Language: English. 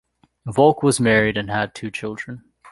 Volk was married and had two children.